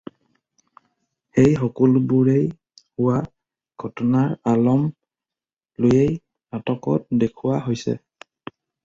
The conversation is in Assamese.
সেই সকলোবোৰেই হোৱা ঘটনাৰ আলম লৈয়েই নাটকত দেখুৱা হৈছে।